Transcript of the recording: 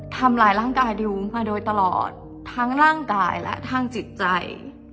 ทำร้ายร่างกายดิวมาโดยตลอดทั้งร่างกายและทางจิตใจ